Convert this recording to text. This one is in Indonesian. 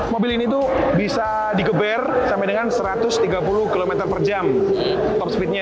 mobil ini tuh bisa digeber sampai dengan satu ratus tiga puluh km per jam top speednya